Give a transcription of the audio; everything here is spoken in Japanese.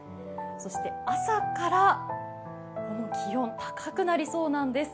そして朝からこの気温、高くなりそうなんです。